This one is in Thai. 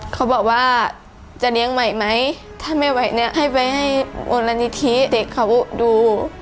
เขาบอกว่าจะเลี้ยงใหม่ไหมถ้าไม่ไหวเนี่ยให้ไปให้มูลนิธิเด็กเขาดู